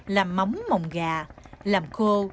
làm móng mồng gà làm khô